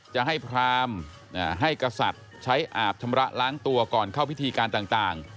จะให้พรามให้กษัตริย์ใช้อาบชำระล้างตัวก่อนเข้าพิธีการต่าง